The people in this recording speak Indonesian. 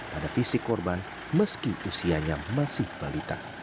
pada fisik korban meski usianya masih balita